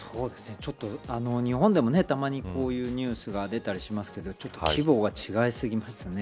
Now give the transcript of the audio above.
日本でもたまにこういうニュースが出たりしますけれどちょっと規模が違いすぎますね。